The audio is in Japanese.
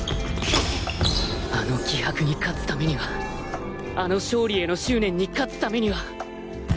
あの気迫に勝つためにはあの勝利への執念に勝つためには